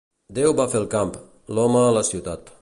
Déu va fer el camp; l'home, la ciutat.